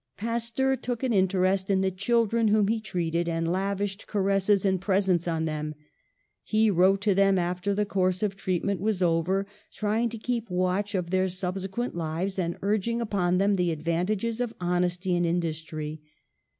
Pasteur took an interest in the children whom he treated, and lavished caresses and presents on them. He wrote to them, after the course of treatment was over, trying to keep watch of their subsequent lives, and urging upon them the advantages of honesty and in dustry.